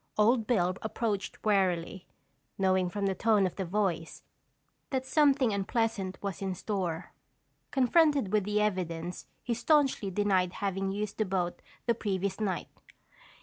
Old Bill approached warily, knowing from the tone of the voice, that something unpleasant was in store. Confronted with the evidence, he staunchly denied having used the boat the previous night.